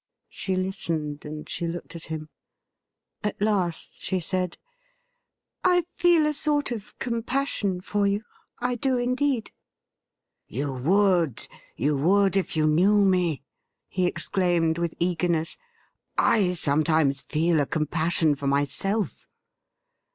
She listened and she looked at him. At last she said :* I feel a sort of compassion for you — I do indeed.' ' You would — ^you would if you knew me,' he exclaimed with eagerness. ' I sometimes feel a compassion for myself.'